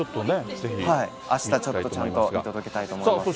あしたちょっとちゃんと見届けたいと思います。